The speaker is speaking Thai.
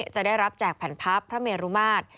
จะได้รับแจกแผ่นพับพระเมรุมาตร